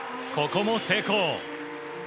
ここも成功。